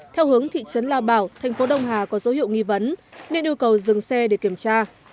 theo hướng thị trấn lao bảo thành phố đông hà có dấu hiệu nghi vấn nên yêu cầu dừng xe để kiểm tra